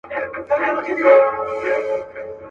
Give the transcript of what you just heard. ګناه څه ده ؟ ثواب څه دی؟ کوم یې فصل کوم یې باب دی.